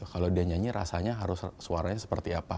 kalau dia nyanyi rasanya harus suaranya seperti apa